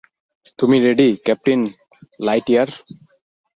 তুমি ready, captain Lightyear?